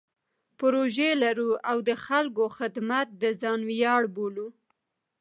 پروژې لرو او د خلکو خدمت د ځان ویاړ بولو.